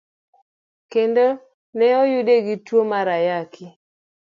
Kendo ne oyude gi tuo mar Ayaki.